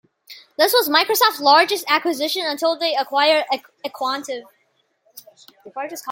This was Microsoft's largest acquisition until they acquired aQuantive.